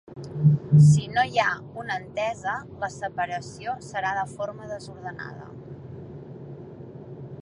Si no hi ha una entesa, la separació serà de forma desordenada.